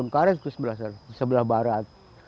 karet ke sebelah barat